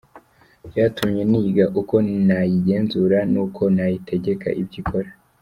Byatumye niga uko nayigenzura n’ uko nayitegeka ibyo ikora”.